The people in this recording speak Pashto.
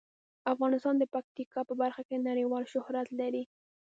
افغانستان د پکتیکا په برخه کې نړیوال شهرت لري.